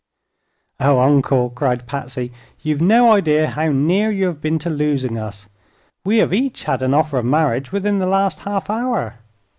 "Oh, Uncle!" cried Patsy; "you've no idea how near you have been to losing us. We have each had an offer of marriage within the last half hour!"